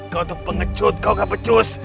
kau tuh pengecut kau gak pecus